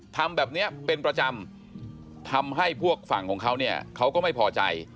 ทำแบบนี้เป็นประจำทำให้พวกฝั่งของเขาเนี่ยเขาก็ไม่พอใจ